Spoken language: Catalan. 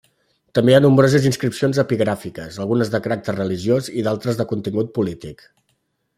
També hi ha nombroses inscripcions epigràfiques, algunes de caràcter religiós i d'altres de contingut polític.